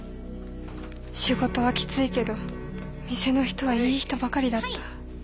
仕事はきついけど店の人はいい人ばかりだった。